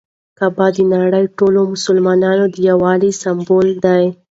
کعبه د نړۍ ټولو مسلمانانو د یووالي سمبول ده.